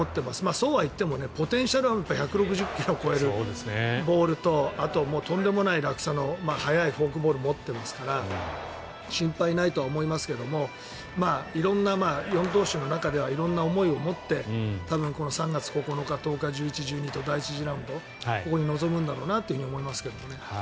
そうは言っても、ポテンシャルは１６０ｋｍを超えるボールとあととんでもない落差の速いフォークボールを持っていますから心配はないとは思いますが４投手の中では色んな思いを持って３月９日、１０日、１１日と第１次ラウンドに臨むんだろうなと思いますけどね。